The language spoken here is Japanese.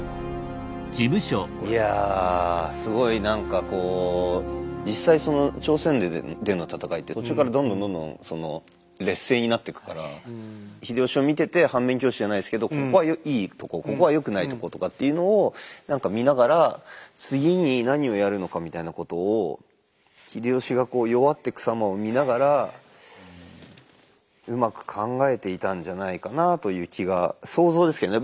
いやすごい何かこう実際その朝鮮での戦いって途中からどんどんどんどん劣勢になっていくから秀吉を見てて反面教師じゃないですけどここはいいとこここはよくないとことかっていうのを何か見ながらうまく考えていたんじゃないかなという気が想像ですけどね